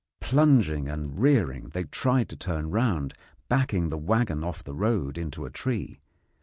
Plunging and rearing, they tried to turn round, backing the waggon off the road into a tree.